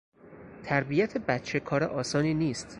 تربیت بچه کار آسانی نیست.